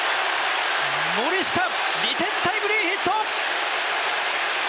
森下、２点タイムリーヒット。